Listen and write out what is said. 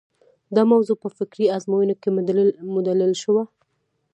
دا موضوع په فکري ازموینو کې مدلل شوه.